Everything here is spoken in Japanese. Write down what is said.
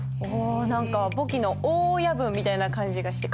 何か簿記の大親分みたいな感じがしてかっこいいですね。